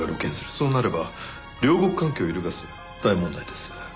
そうなれば両国関係を揺るがす大問題です。